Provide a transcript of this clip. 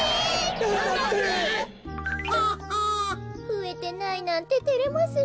ふえてないなんててれますねえ。